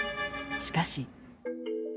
しかし。